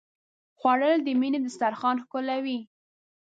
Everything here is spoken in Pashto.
خوړل د مینې دسترخوان ښکلوي